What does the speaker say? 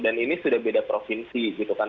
ini sudah beda provinsi gitu kan